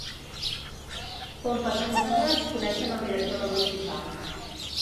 Pompes Fúnebres coneixen el director de l'hospital.